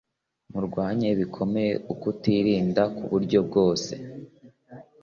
Murwanye bikomeye ukutirinda kuburyo bwose